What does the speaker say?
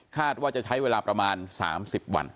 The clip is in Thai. ว่าจะใช้เวลาประมาณ๓๐วัน